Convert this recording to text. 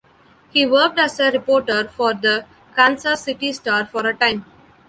He worked as a reporter for the "Kansas City Star" for a time.